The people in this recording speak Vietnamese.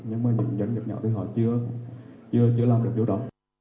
nhưng mà những doanh nghiệp nhỏ thì họ chưa làm được chỗ đó